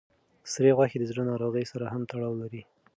سرې غوښې د زړه ناروغۍ سره هم تړاو لري.